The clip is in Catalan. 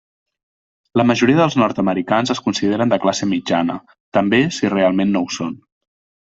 La majoria dels nord-americans es consideren de classe mitjana, també si realment no ho són.